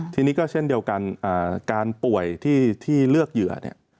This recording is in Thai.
ทีนี้ก็เช่นเดียวกันการป่วยที่เลือกเหยื่อเนี่ย